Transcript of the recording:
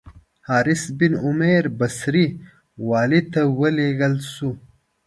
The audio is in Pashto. حارث بن عمیر بصري والي ته ولېږل شو.